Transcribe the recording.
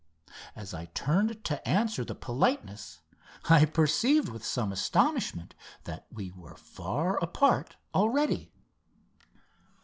As I turned to answer the politeness I perceived with some astonishment that we were far apart already.